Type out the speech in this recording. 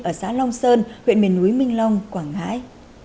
ở xã long sơn huyện miền núi minh long quảng ngãi